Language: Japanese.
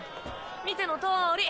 見てのとおり。